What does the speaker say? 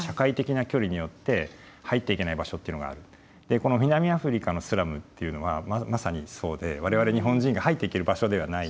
この南アフリカのスラムっていうのはまさにそうで我々日本人が入っていける場所ではない。